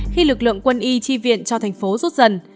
khi lực lượng quân y chi viện cho thành phố rút dần